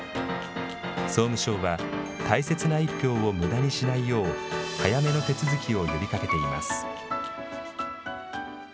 総務省は、大切な１票をむだにしないよう、早めの手続きを呼びかけています。